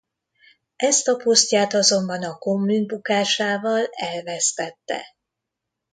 Ezt a posztját azonban a kommün bukásával elvesztette.